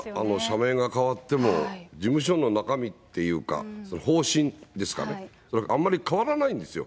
社名が変わっても、事務所の中身っていうか、方針ですかね、それがあんまり変わらないんですよ。